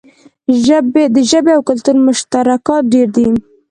د ژبې او کلتور مشترکات ډیر دي.